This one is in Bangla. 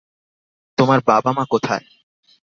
তোমার বাবা-মা কোথায়?